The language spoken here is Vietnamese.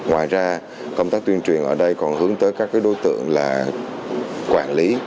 ngoài ra công tác tuyên truyền ở đây còn hướng tới các đối tượng là quản lý